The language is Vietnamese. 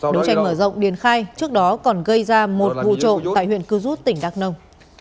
đấu tranh mở rộng điền khai trước đó còn gây ra một vụ trộm tại huyện cư rút tỉnh đắk nông